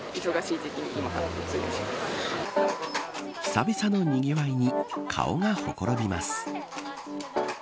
久々のにぎわいに顔がほころびます。